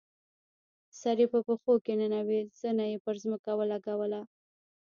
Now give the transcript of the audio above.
سر یې په پښو کې ننویست، زنه یې پر ځمکه ولګوله.